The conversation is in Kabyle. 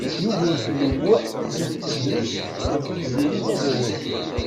Yugurten U Muḥ itett drus ɣef Tiziri Tagawawt.